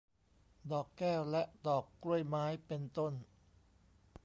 ดอกแก้ว และดอกกล้วยไม้ เป็นต้น